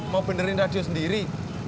mau benderin radio sendiri